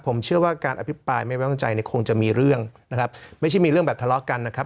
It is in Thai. ผมเชื่อว่าการอภิปรายไม่ไว้วางใจเนี่ยคงจะมีเรื่องนะครับไม่ใช่มีเรื่องแบบทะเลาะกันนะครับ